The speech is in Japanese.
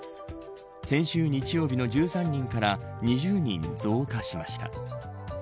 先週日曜日の１３人から２０人増加しました。